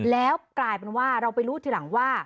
แล้วกลายเป็นว่าเราไปรู้ทีหลังว่า